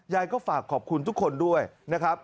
ยายก็ฝากขอบคุณทุกคนด้วยนะครับ